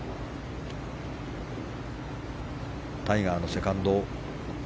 タイガーのセカンド。